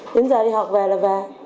đến giờ đi học về là về